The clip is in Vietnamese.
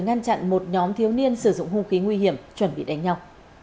ngăn chặn một nhóm thiếu niên sử dụng hung khí nguy hiểm chuẩn bị đánh nhau